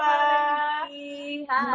hai selamat pagi hai